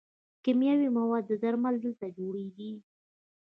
کیمیاوي مواد او درمل دلته جوړیږي.